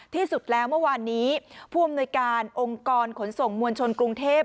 ที่สุดแล้วเมื่อวานนี้ผู้อำนวยการองค์กรขนส่งมวลชนกรุงเทพ